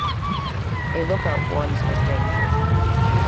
A lookout warns of danger.